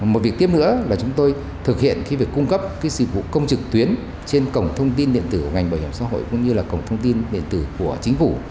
một việc tiếp nữa là chúng tôi thực hiện cái việc cung cấp cái dịch vụ công trực tuyến trên cổng thông tin điện tử của ngành bảo hiểm xã hội cũng như là cổng thông tin điện tử của chính phủ